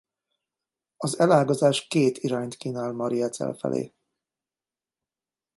Az elágazás két irányt kínál Mariazell felé.